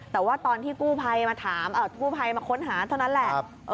แต่ว่าตอนที่กู้ภัยมาค้นหาเท่านั้นแหละ